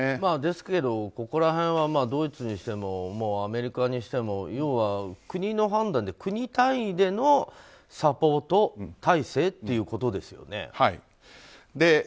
ですけど、ここら辺はドイツにしてもアメリカにしても要は国の判断で、国単位でのサポート体制ということですよね。